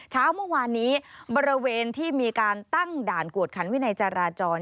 เช้าเมื่อวานนี้บริเวณที่มีการตั้งด่านกวดขันวินัยจราจร